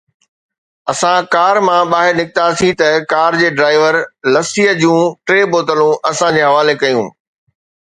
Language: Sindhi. اسان ڪار مان ٻاهر نڪتاسين ته ڪار جي ڊرائيور لسيءَ جون ٽي بوتلون اسان جي حوالي ڪيون.